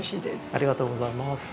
ありがとうございます。